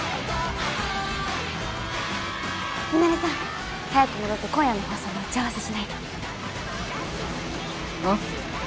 ミナレさん早く戻って今夜の放送の打ち合わせしないと。おう。